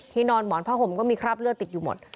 นอนหมอนผ้าห่มก็มีคราบเลือดติดอยู่หมด